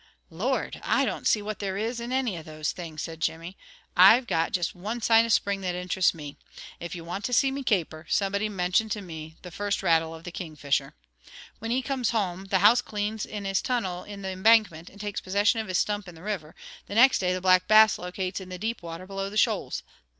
"Lord! I don't see what there is in any of those things," said Jimmy. "I've got just one sign of spring that interests me. If you want to see me caper, somebody mention to me the first rattle of the Kingfisher. Whin he comes home, and house cleans in his tunnel in the embankment, and takes possession of his stump in the river, the nixt day the Black Bass locates in the deep water below the shoals.